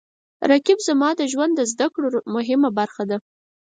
رقیب زما د ژوند د زده کړو مهمه برخه ده